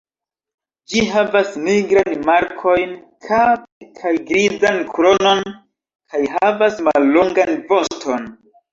Ĝi havas nigrajn markojn kape kaj grizan kronon kaj havas mallongan voston.